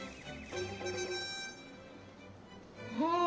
うん！